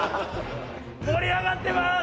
盛り上がってます！」